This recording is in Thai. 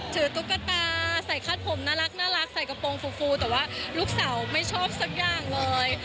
ตุ๊กตาใส่คาดผมน่ารักใส่กระโปรงฟูแต่ว่าลูกสาวไม่ชอบสักอย่างเลย